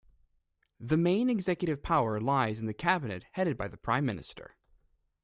The main executive power lies in the cabinet headed by the prime minister.